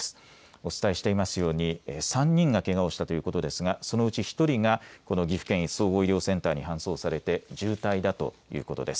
お伝えしていますように３人がけがをしたということですがそのうち１人がこの岐阜県総合医療センターに搬送されて重体だということです。